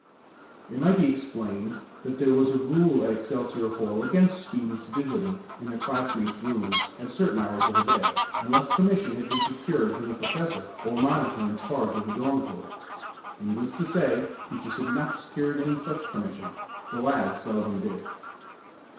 It might be explained that there was a rule at Excelsior Hall against students visiting in their classmates' rooms at certain hours of the day, unless permission had been secured from the professor or monitor in charge of the dormitory. Needless to say Peaches had not secured any such permission the lads seldom did.